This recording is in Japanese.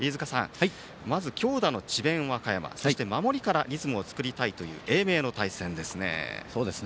まず、強打の智弁和歌山そして守りからリズムを作りたい英明の対戦ですね。